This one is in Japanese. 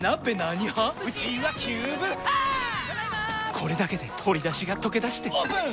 これだけで鶏だしがとけだしてオープン！